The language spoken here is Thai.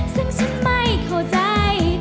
ซึ่งฉันไม่เข้าใจ